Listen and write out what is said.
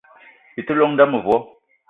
Bi te llong m'nda mevo